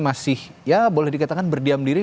masih ya boleh dikatakan berdiam diri